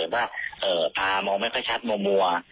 แต่มองไม่ค่อยชัดมั่ว